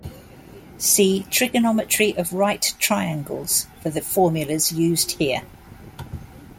See Trigonometry of right triangles for the formulas used here.